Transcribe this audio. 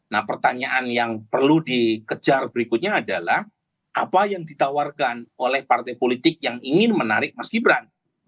nah pertanyaan yang perlu dikejar berikutnya adalah apa yang ditawarkan oleh partai politik yang ingin menarik mas gibran